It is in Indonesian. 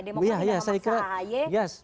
demokrat tidak memaksa ahy